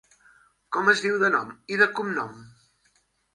Com es diu de nom, i de cognom?